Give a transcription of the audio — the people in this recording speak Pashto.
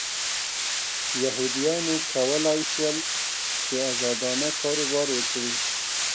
یهودیانو کولای شول چې ازادانه کاروبار وکړي.